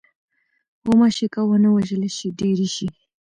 غوماشې که ونه وژلې شي، ډېرې شي.